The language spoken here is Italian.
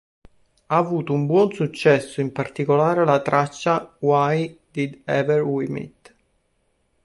Ha avuto un buon successo in particolare la traccia "Why Did Ever We Meet".